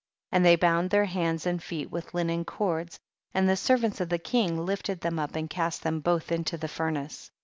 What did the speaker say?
23. And they bound their hands and feet with linen cords, and the servants of the king lifted them up and cast them both into the furnace.